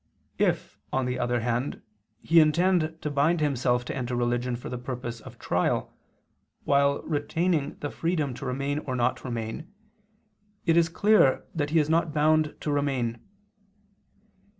If, on the other hand, he intend to bind himself to enter religion for the purpose of trial, while retaining the freedom to remain or not remain, it is clear that he is not bound to remain.